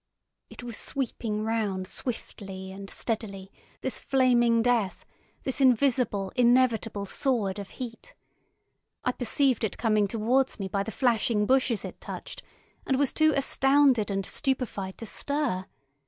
It was sweeping round swiftly and steadily, this flaming death, this invisible, inevitable sword of heat. I perceived it coming towards me by the flashing bushes it touched, and was too astounded and stupefied to stir.